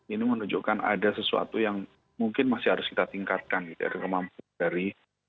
ini menunjukkan ada sesuatu yang mungkin masih harus kita tingkatkan kemampuan dari